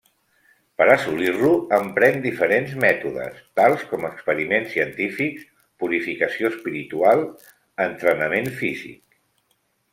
Per a assolir-lo, empren diferents mètodes, tals com experiments científics, purificació espiritual, entrenament físic.